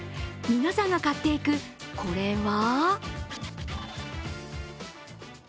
皆さんが買っていくこれは？